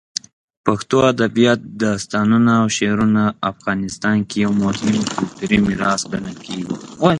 پښتو ادبیات، داستانونه، او شعرونه افغانستان کې یو مهم کلتوري میراث ګڼل کېږي.